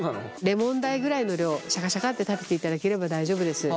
レモン大ぐらいの量をシャカシャカって立てていただければ大丈夫です。